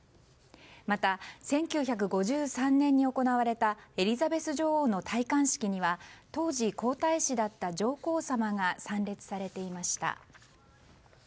また、１９５３年に行われたエリザベス女王の戴冠式には当時、皇太子だった上皇さまが参列されていました。